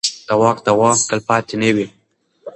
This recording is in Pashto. د واک دوام تلپاتې نه وي